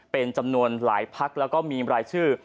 เป็นจำนวนหลายพักแล้วก็มีรายชื่อ